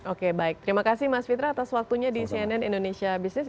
oke baik terima kasih mas fitra atas waktunya di cnn indonesia business